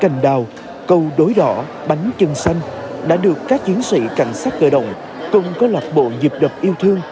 mùi đỏ bánh chân xanh đã được các chiến sĩ cảnh sát cơ động cùng có lạc bộ nhịp đập yêu thương